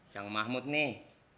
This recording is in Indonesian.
yang mahmud nih